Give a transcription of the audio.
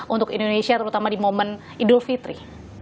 untuk indonesia terutama di momen idul fitri